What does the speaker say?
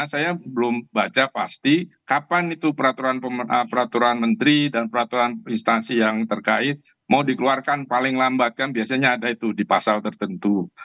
saya belum baca pasti kapan itu peraturan menteri dan peraturan instansi yang terkait mau dikeluarkan paling lambat kan biasanya ada itu di pasal tertentu